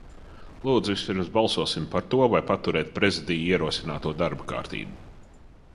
Lūdzu, vispirms balsosim par to, vai paturēt Prezidija ierosināto darba kārtību.